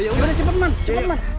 yaudah cepet man cepet man